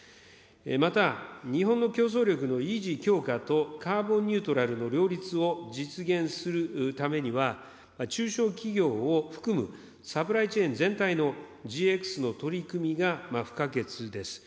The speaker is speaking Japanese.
また、日本の競争力の維持強化とカーボンニュートラルの充実を実現するためには、中小企業を含むサプライチェーン全体のＧＸの取り組みが不可欠です。